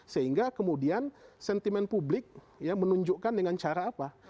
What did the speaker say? sehingga kemudian sentimen publik menunjukkan dengan cara apa